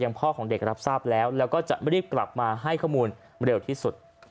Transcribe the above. พ่อของเด็กรับทราบแล้วแล้วก็จะรีบกลับมาให้ข้อมูลเร็วที่สุด